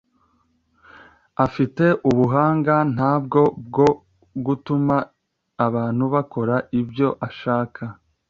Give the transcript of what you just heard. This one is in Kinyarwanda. Afite ubuhanga nyabwo bwo gutuma abantu bakora ibyo ashaka.